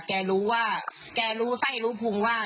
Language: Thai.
แกรู้ว่าแกรู้ไส้รู้พุงว่า